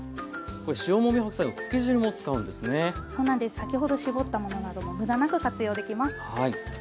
先ほど絞ったものなども無駄なく活用できます。